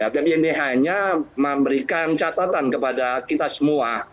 tapi ini hanya memberikan catatan kepada kita semua